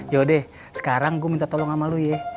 yaudah sekarang gue minta tolong sama lu ya